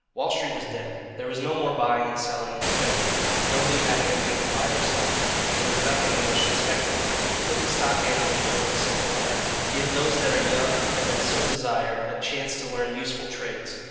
Wall Street was dead. There was no more buying and selling and speculating. Nobody had anything to buy or sell. There was nothing in which to speculate. "Put the stock gamblers to work," said Goliah; "give those that are young, and that so desire, a chance to learn useful trades."